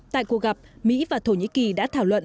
tại cuộc gặp mỹ và thổ nhĩ kỳ đã thảo luận